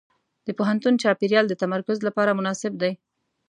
د پوهنتون چاپېریال د تمرکز لپاره مناسب دی.